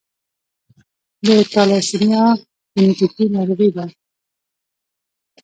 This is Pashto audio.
د تالاسیمیا جینیټیکي ناروغي ده.